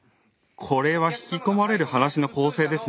これは引き込まれる話の構成ですね。